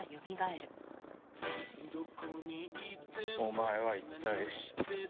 お前は一体誰だ？